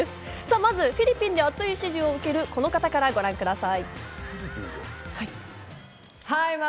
まずフィリピンで熱い支持を受けるこの方からご覧ください。